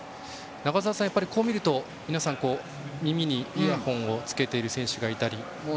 中澤さん、こう見ると皆さん耳にイヤホンをつける選手がいたり。